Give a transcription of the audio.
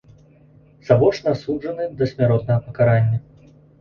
Завочна асуджаны да смяротнага пакарання.